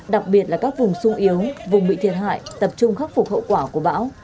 đặc biệt là các vùng sung yếu vùng bị thiệt hại tập trung khắc phục hậu quả của bão